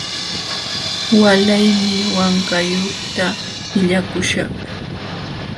Walaymi Wankayuqta illakuśhaq.